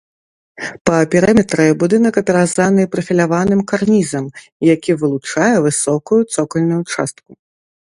Па перыметры будынак апяразаны прафіляваным карнізам, які вылучае высокую цокальную частку.